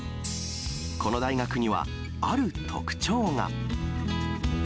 この大学には、ある特徴が。